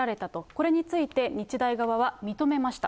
これについて日大側は認めました。